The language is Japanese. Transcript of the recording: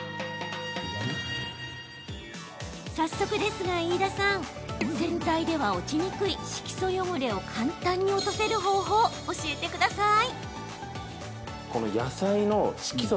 早速ですが飯田さん洗剤では落ちにくい色素汚れを簡単に落とせる方法教えてください。